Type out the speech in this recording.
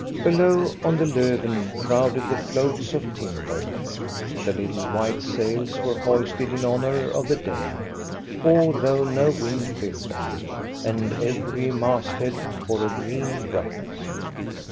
Below on the Lofven crowded the floats of timber. The little white sails were hoisted in honor of the day, although no wind filled them, and every mast head bore a green wreath.